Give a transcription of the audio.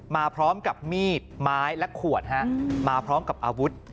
มาพร้อมกับมีดไม้และขวดฮะมาพร้อมกับอาวุธ